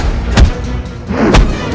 saat ini saya berpikir